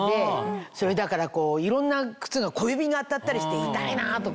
だからいろんな靴が小指に当たったりして痛いな！とか。